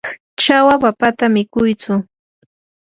chawa papata mikuytsu.